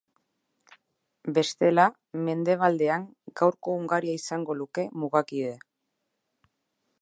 Bestela, mendebaldean gaurko Hungaria izango luke mugakide.